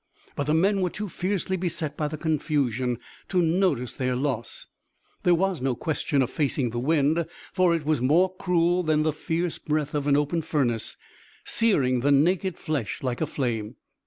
But the men were too fiercely beset by the confusion to notice their loss. There was no question of facing the wind, for it was more cruel than the fierce breath of an open furnace, searing the naked flesh like a flame.